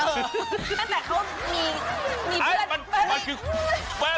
แต่เขามีเพื่อน